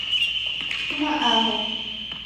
Fuma aho